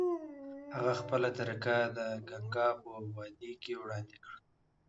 هغه خپله طریقه د ګنګا په وادۍ کې وړاندې کړه.